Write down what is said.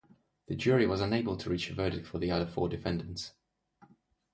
The jury was unable to reach a verdict for the other four defendants.